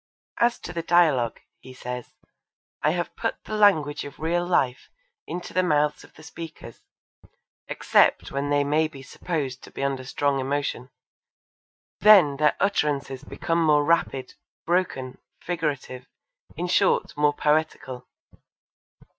'As to the dialogue,' he says, 'I have put the language of real life into the mouths of the speakers, except when they may be supposed to be under strong emotion; then their utterances become more rapid broken figurative in short more poetical.'